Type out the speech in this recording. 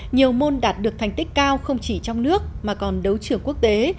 nhiều môn đạt được thành tích cao không chỉ trong nước mà còn đấu trường quốc tế